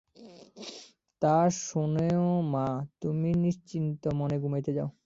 তা, শোনো মা, তুমি নিশ্চিন্তমনে ঘুমাইতে যাও।